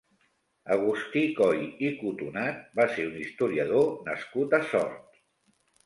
Agustí Coy i Cotonat va ser un historiador nascut a Sort.